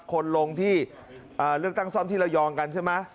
คนลงที่เลือกตั้งซ่อมที่ระยองกันใช่ไหม